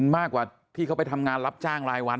มากกว่าที่เขาไปทำงานรับจ้างรายวัน